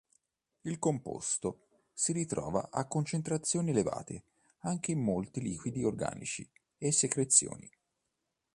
Il composto si ritrova a concentrazioni elevate anche in molti liquidi organici e secrezioni.